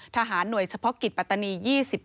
หน่วยเฉพาะกิจปัตตานี๒๗